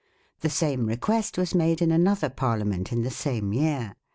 4 The same request was made in another Parliament in the same year.